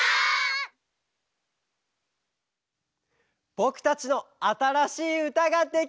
ぼくたちのあたらしいうたができました！